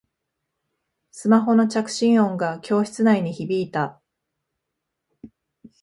スマホの着信音が教室内に響いた